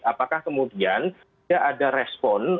apakah kemudian dia ada respon